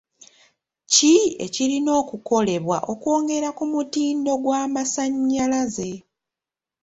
Ki ekirina okukolebwa okwongera ku mutindo gw'amasannyalaze?